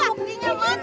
buktinya lu itu tuh